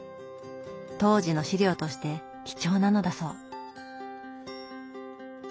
当時の資料として貴重なのだそう。